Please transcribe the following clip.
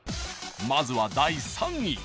［まずは第３位］